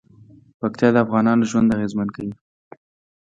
پکتیا د افغانانو ژوند اغېزمن کوي.